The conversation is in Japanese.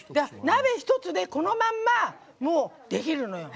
鍋１つでこのまんまできるのよ。